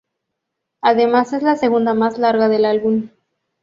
Además es la segunda más larga del álbum.